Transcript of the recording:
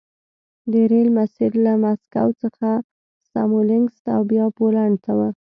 د ریل مسیر له مسکو څخه سمولینکس او بیا پولنډ ته و